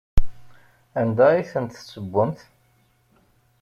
Anda ay ten-tessewwemt?